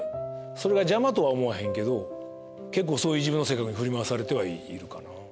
それが邪魔とは思わへんけど結構そういう自分の性格に振り回されてはいるかな。